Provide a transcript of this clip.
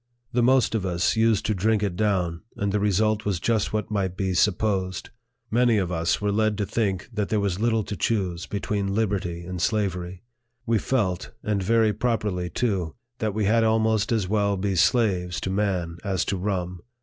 The most of us used to drink it down, and the result was just what might be supposed : many of us were led to think that there was little to choose between liberty and slavery. We felt, and very properly too, that we had almost as well be slaves to man as to rum.